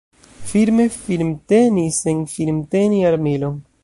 Firme firmteni sen firmteni armilon.